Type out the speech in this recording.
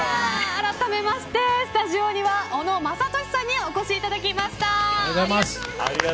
あらためまして、スタジオには小野正利さんにお越しいただきました。